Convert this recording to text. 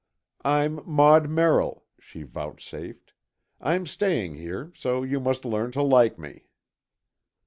"I'm Maud Merrill," she vouchsafed. "I'm staying here, so you must learn to like me."